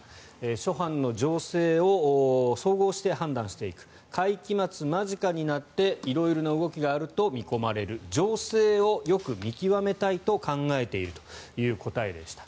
諸般の情勢を総合して判断していく会期末間近になって色々な動きがあると見込まれる情勢をよく見極めたいと考えているという答えでした。